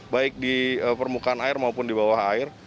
baik di permukaan air maupun di bawah air